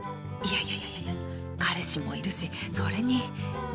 いやいやいやいや彼氏もいるしそれに